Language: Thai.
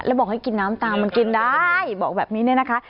แล้วบอกให้กินน้ำตามันกินได้บอกแบบนี้เนี่ยนะคะ